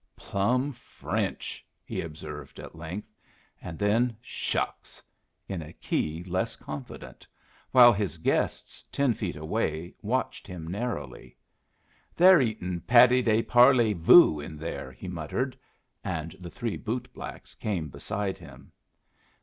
"Plumb French!" he observed at length; and then, "Shucks!" in a key less confident, while his guests ten feet away watched him narrowly. "They're eatin' patty de parley voo in there," he muttered, and the three bootblacks came beside him.